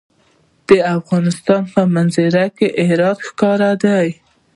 د افغانستان په منظره کې هرات ښکاره ده.